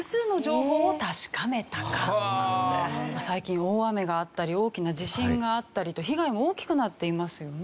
最近大雨があったり大きな地震があったりと被害も大きくなっていますよね。